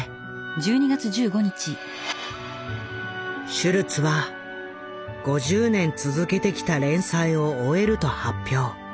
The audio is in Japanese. シュルツは５０年続けてきた連載を終えると発表。